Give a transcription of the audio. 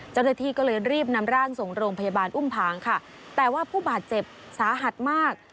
เจ้าหน้าที่ก็เลยรีบนำร่างส่งโรงพยาบาลอุ้มผางค่ะแต่ว่าผู้บาดเจ็บสาหัสมาก